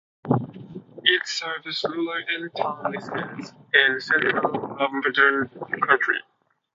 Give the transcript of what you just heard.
It serves rural and town residents in central Lambton County.